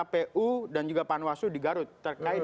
kpu dan juga panwaslu di garut terkait